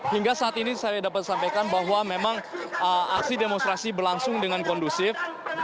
hingga saat ini saya dapat sampaikan bahwa memang aksi demonstrasi berlangsung dengan kondusif